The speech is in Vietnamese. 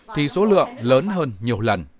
thì số lượng lớn hơn nhiều lần